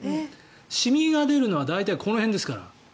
シミが出るのは大体この辺ですから。